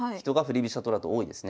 飛車党だと多いんですね。